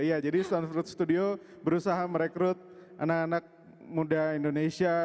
iya jadi sunfood studio berusaha merekrut anak anak muda indonesia